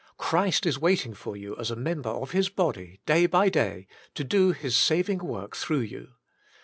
Christ is waiting for you as a member of His body, day by day, to do His saving work through you.